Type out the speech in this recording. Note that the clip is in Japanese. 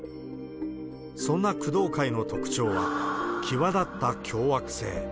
そんな工藤会の特徴は、際立った凶悪性。